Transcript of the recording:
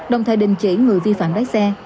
đồng thời đình chỉ người vi phạm đáy xe